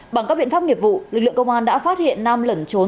bằng các biện pháp nghiệp vụ lực lượng công an đã phát hiện nam lẩn trốn